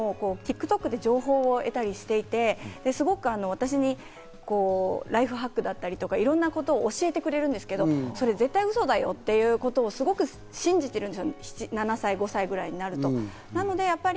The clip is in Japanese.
私の子供なんかもＴｉｋＴｏｋで情報を得たりしていて、私にライフハックだったり、いろんなことを教えてくれるんですけど、それ絶対ウソだよっていうことをすごく信じてるんですよ、７歳や５歳ぐらいになると。